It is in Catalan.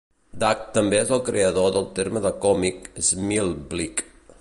Dac és també el creador del terme de còmic Schmilblick.